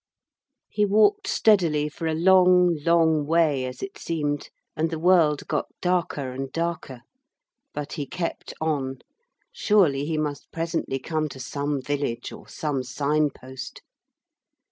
He walked steadily for a long, long way as it seemed, and the world got darker and darker. But he kept on. Surely he must presently come to some village, or some signpost.